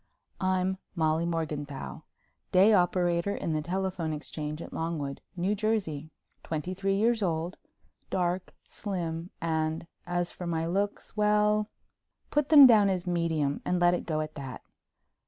I'm Molly Morganthau, day operator in the telephone exchange at Longwood, New Jersey, twenty three years old, dark, slim, and as for my looks—well, put them down as "medium" and let it go at that.